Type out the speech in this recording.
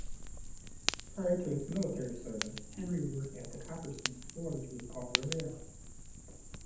Prior to his military service, Henry worked at the copper-smith's forge with Paul Revere.